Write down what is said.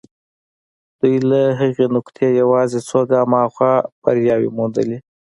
دوی له هغې نقطې يوازې څو ګامه هاخوا برياوې موندلې.